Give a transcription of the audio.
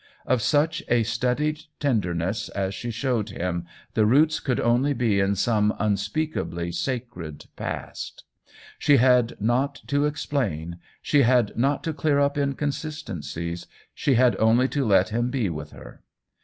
Of such a studied tenderness as she showed him the roots could only be in some un speakably sacred past. She had not to ex plain, she had not to clear up inconsisten cies, she had only to let him be with her.